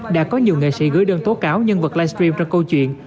đã có nhiều nghệ sĩ gửi đơn tố cáo nhân vật live stream trong câu chuyện